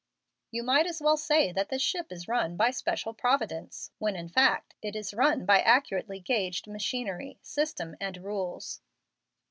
You might as well say that this ship is run by special Providence, when, in fact, it is run by accurately gauged machinery, system, and rules."